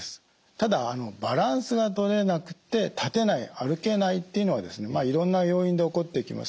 ただバランスがとれなくて立てない歩けないというのはいろんな要因で起こってきます。